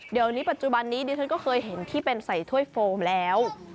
เดี๋ยวนี้ปัจจุบันนี้ดิฉันก็เคยเห็นที่เป็นใส่ถ้วยโฟมแล้ว